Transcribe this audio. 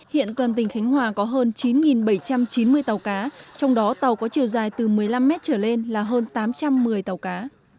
hiện toàn tỉnh khánh hòa có hơn chín bảy trăm chín mươi tàu cá trong đó tàu có chiều dài từ một mươi năm mét trở lên là hơn tám trăm một mươi tàu cá